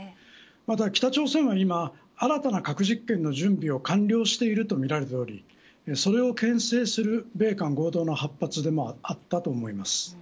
ただ北朝鮮は今、新たな核実験の準備を完了しているとみられておりそれをけん制する米韓合同の８発でもあったと思います。